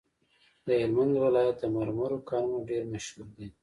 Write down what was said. د هلمند ولایت د مرمرو کانونه ډیر مشهور دي.